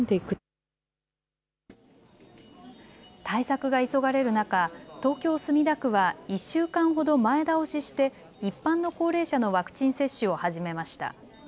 対策が急がれる中、東京墨田区は１週間ほど前倒しして一般の高齢者のワクチン接種を始めました。